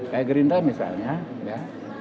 kayak gerindra misalnya ya